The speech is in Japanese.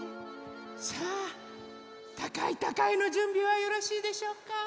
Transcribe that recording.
さあ「たかいたかい」のじゅんびはよろしいでしょうか？